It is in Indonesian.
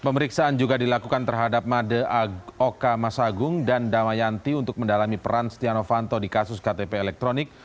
pemeriksaan juga dilakukan terhadap made oka masagung dan damayanti untuk mendalami peran setia novanto di kasus ktp elektronik